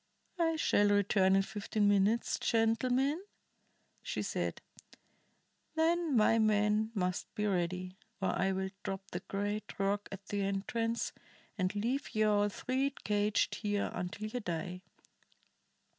"I shall return in fifteen minutes, gentlemen," she said. "Then my man must be ready, or I will drop the great rock at the entrance, and leave ye all three caged here until ye die.